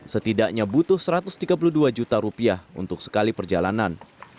setidaknya butuh satu ratus tiga puluh dua juta rupiah untuk sekali perjalanan